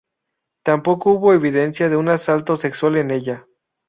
Tampoco hubo evidencia de un asalto sexual en ella.